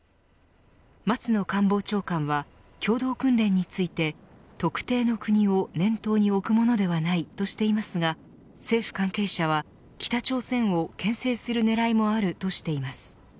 松野官房長官は共同訓練について特定の国を念頭に置くものではないとしていますが政府関係者は北朝鮮をけん制する狙いもあるとしています。